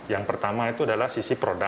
yang pertama itu adalah sisi produk